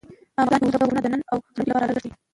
افغانستان کې اوږده غرونه د نن او راتلونکي لپاره ارزښت لري.